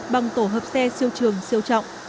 bằng tổ hợp xe siêu trường siêu trọng